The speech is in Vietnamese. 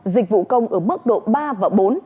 dịch vụ công ở mức độ ba và bốn